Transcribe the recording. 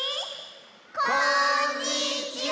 こんにちは！